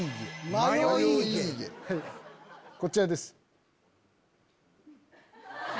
こちらです。